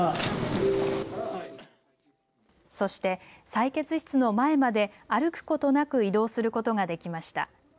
そして採血室の前まで、歩くことなく移動することができました。